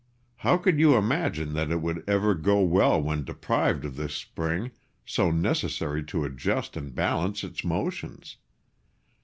How could you imagine that it would ever go well when deprived of this spring, so necessary to adjust and balance its motions?